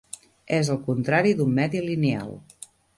És el contrari d'un medi lineal.